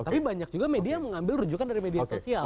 tapi banyak juga media yang mengambil rujukan dari media sosial